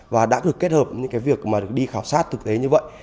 và đã được kết hợp với những việc đi khảo sát thực tế như vậy